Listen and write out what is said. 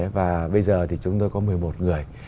và bây giờ thì chúng tôi có một mươi một người